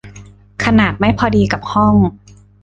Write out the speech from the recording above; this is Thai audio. ขนาดไม่พอดีกับห้อง